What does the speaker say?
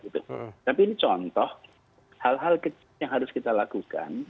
tapi ini contoh hal hal kecil yang harus kita lakukan